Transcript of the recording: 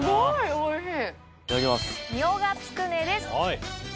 おいしい？